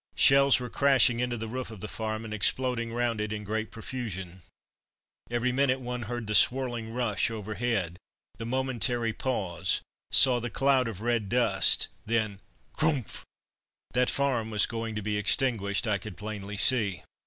Shells were crashing into the roof of the farm and exploding round it in great profusion. Every minute one heard the swirling rush overhead, the momentary pause, saw the cloud of red dust, then "Crumph!" That farm was going to be extinguished, I could plainly see.